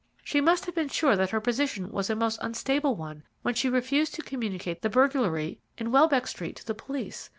She must have been sure that her position was a most unstable one when she refused to communicate the burglary in Welbeck Street to the police.